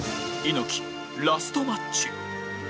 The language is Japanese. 猪木ラストマッチ